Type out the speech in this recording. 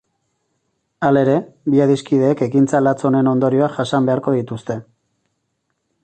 Halere, bi adiskideek ekintza latz honen ondorioak jasan beharko dituzte.